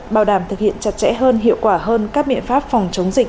bảo đảm thực hiện chặt chẽ hơn hiệu quả hơn các biện pháp phòng chống dịch